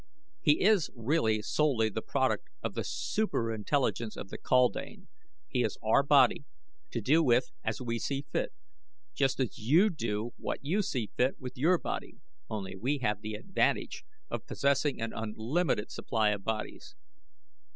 He is really solely the product of the super intelligence of the kaldane he is our body, to do with as we see fit, just as you do what you see fit with your body, only we have the advantage of possessing an unlimited supply of bodies.